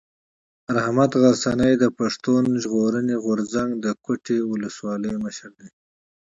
رحمت غرڅنی د پښتون ژغورني غورځنګ د کوټي اولسوالۍ مشر دی.